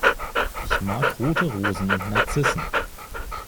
Ich mag rote Rosen und Narzissen.